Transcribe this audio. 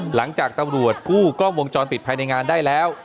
หลังจากตำรวจกู้กล้องวงจรปิดภายในงานได้แล้ว